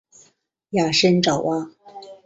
亚参爪哇。